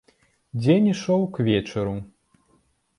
Дзень ішоў к вечару.